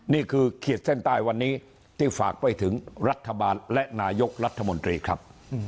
ขีดเส้นใต้วันนี้ที่ฝากไปถึงรัฐบาลและนายกรัฐมนตรีครับ